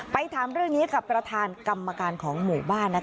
ถามเรื่องนี้กับประธานกรรมการของหมู่บ้าน